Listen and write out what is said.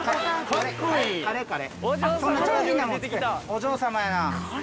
お嬢様やなあ。